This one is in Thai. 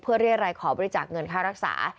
เพื่อเรียกรายขอบริจาคเงินค่ารักษา